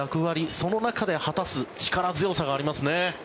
その中で果たす力強さがありますね。